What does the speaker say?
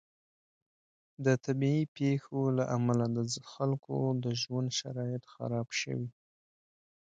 د طبعي پیښو له امله د خلکو د ژوند شرایط خراب شوي.